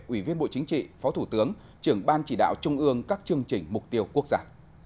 ủy viên bộ chính trị phó thủ tướng trưởng ban chỉ đạo trung ương các chương trình mục tiêu quốc gia